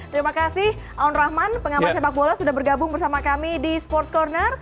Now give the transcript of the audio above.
terima kasih aun rahman pengamat sepak bola sudah bergabung bersama kami di sports corner